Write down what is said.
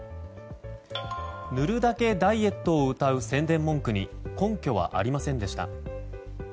塗るだけダイエットをうたう宣伝文句に根拠はありませんでした。